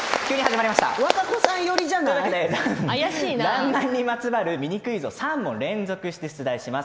「らんまん」にまつわるミニクイズを３問連続で出題します。